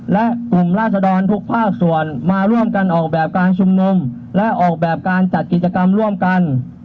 และกลุ่มราศดรทุกภาคส่วนมาร่วมกันออกแบบการชุมนุมและออกแบบการจัดกิจกรรมร่วมกัน